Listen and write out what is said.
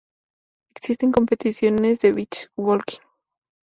Existen competiciones de Beach Walking.